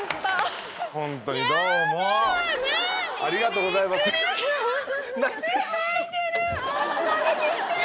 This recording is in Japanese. ありがとうございます。